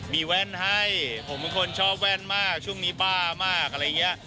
มีแว่นให้ผมเป็นคนชอบแว่นมากช่วงนี้บ้ามากอะไรอย่างนี้